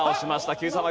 Ｑさま！！